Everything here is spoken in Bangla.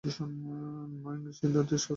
নৈনং ছিন্দন্তি শস্ত্রাণি নৈনং দহতি পাবকঃ।